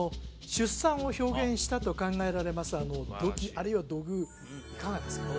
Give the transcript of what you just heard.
出産を表現したと考えられます土器あるいは土偶いかがですか？